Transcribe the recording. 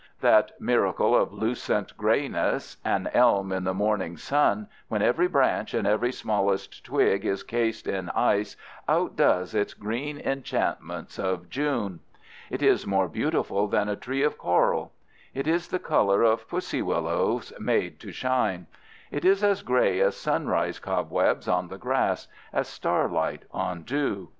That miracle of lucent grayness, an elm in the morning sun, when every branch and every smallest twig is cased in ice outdoes its green enchantments of June. It is more beautiful than a tree of coral. It is the color of pussy willows made to shine. It is as gray as sunrise cobwebs on the grass, as starlight on dew.